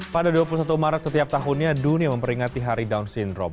pada dua puluh satu maret setiap tahunnya dunia memperingati hari down syndrome